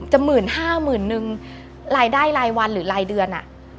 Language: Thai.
จะหมื่นห้ามือนึงรายได้รายวันหรือรายเดือน